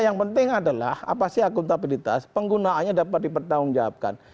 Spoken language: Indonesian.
yang penting adalah apa sih akuntabilitas penggunaannya dapat dipertanggungjawabkan